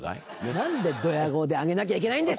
何でどや顔であげなきゃいけないんですか！